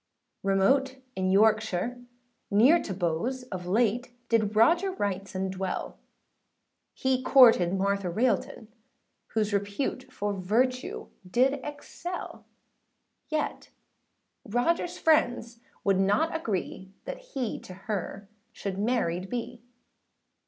Remote in Yorkshire, near to Bowes, Of late did Roger Wrightson dwell; He courted Martha Railton, whose Repute for virtue did excel; Yet Rogerâs friends would not agree, That he to her should married be.